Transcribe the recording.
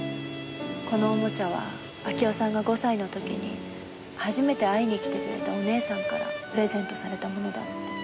このおもちゃは明夫さんが５歳の時に初めて会いに来てくれたお姉さんからプレゼントされたものだって。